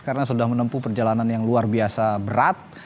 karena sudah menempuh perjalanan yang luar biasa berat